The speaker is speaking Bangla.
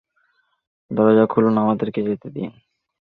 দরজা খুলুন, আমাদেরকে যেতে দিন।